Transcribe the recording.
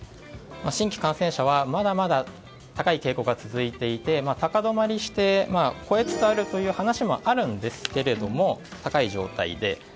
新規感染者はまだまだ高い傾向が続いていて高止まりして越えつつあるという話もあるんですけども高い状態で。